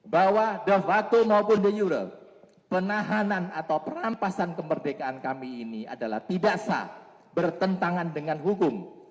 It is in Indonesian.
dua puluh bahwa the vatunobun de jure penahanan atau perampasan kemerdekaan kami ini adalah tidak sah bertentangan dengan hukum